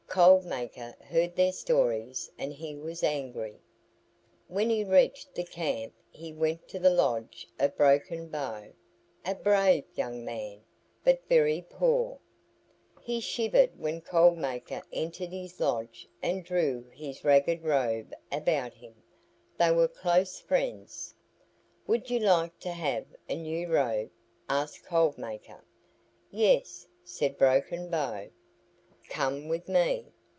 Cold Maker heard their stories and he was angry. When he reached the camp he went to the lodge of Broken Bow a brave young man, but very poor. He shivered when Cold Maker entered his lodge and drew his ragged robe about him. They were close friends. "Would you like to have a new robe?" asked Cold Maker. "Yes," said Broken Bow. "Come with me.